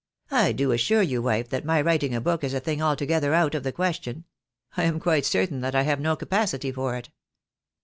" I do assure you, wife, that my writing a book is a thing altogether out of the question. I am quite certain that I have no capacity for it."